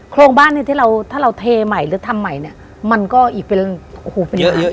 โครงบ้านเนี่ยที่เราถ้าเราเทใหม่หรือทำใหม่เนี่ยมันก็อีกเป็นโอ้โหเป็นยังไง